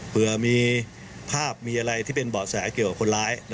เผื่อมีภาพมีอะไรที่เป็นเบาะแสเกี่ยวกับคนร้าย